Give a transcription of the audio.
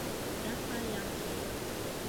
Япа-яңғыҙлыҡ.